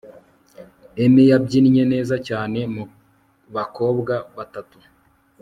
emi yabyinnye neza cyane mubakobwa batatu